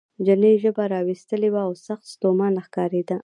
چیني ژبه را ویستلې وه او سخت ستومانه ښکارېده.